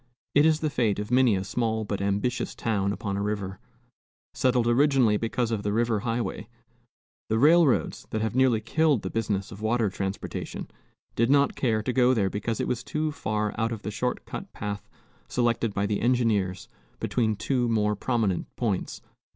It is the fate of many a small but ambitious town upon a river. Settled originally because of the river highway, the railroads that have nearly killed the business of water transportation did not care to go there because it was too far out of the short cut path selected by the engineers between two more prominent points.